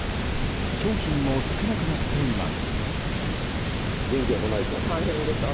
商品も少なくなっています。